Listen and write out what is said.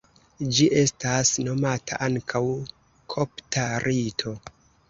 Ĝi estas nomata ankaŭ kopta rito.